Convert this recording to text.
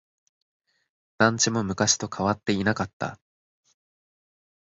団地も昔と変わっていなかった。